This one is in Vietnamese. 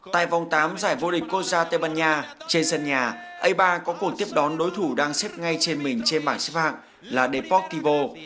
tại vòng tám giải vô địch cô sa tây ban nha trên sân nhà a ba có cuộc tiếp đón đối thủ đang xếp ngay trên mình trên bảng xếp hạng là deportivo